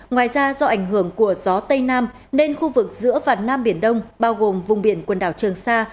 ngoài ra do ảnh hưởng của gió tây nam nên khu vực giữa và nam biển đông bao gồm vùng biển quần đảo trường sa